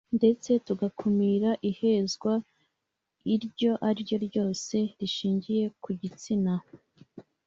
ndetse tugakumira ihezwa iryo ari ryo ryose rishingiye ku gitsina